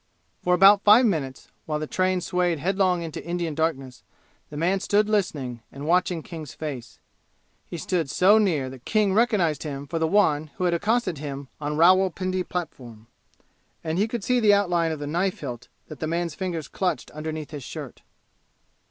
For about five minutes, while the train swayed head long into Indian darkness, the man stood listening and watching King's face. He stood so near that King recognized him for the one who had accosted him on Rawal Pindi platform. And he could see the outline of the knife hilt that the man's fingers clutched underneath his shirt.